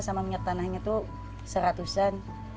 sama minyak tanahnya itu seratusan